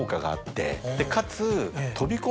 かつ。